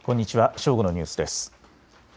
正午のニュースです。